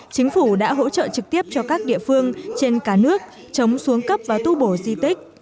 chính phủ đã hỗ trợ trực tiếp cho các địa phương trên cả nước chống xuống cấp và tu bổ di tích